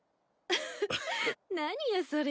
フフッ何よそれ。